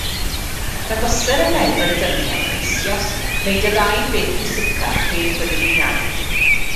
Dangoser y medr dynion eisoes wneud y ddau beth pwysicaf heb yr un iaith.